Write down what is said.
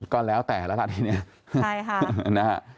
ก็แล้วแต่ละละทีเนี่ย